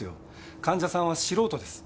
患者さんは素人です。